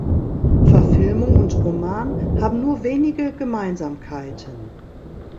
Verfilmung und Roman haben nur wenige Gemeinsamkeiten.